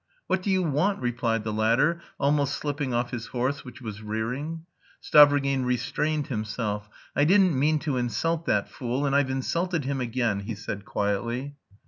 "What do you want?" replied the latter, almost slipping off his horse, which was rearing. Stavrogin restrained himself. "I didn't mean to insult that... fool, and I've insulted him again," he said quietly.